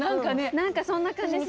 何かそんな感じします。